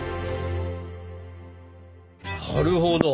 なるほど。